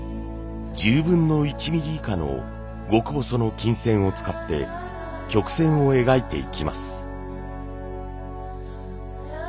１０分の１ミリ以下の極細の金線を使って曲線を描いていきます。